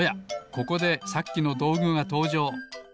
ここでさっきのどうぐがとうじょう！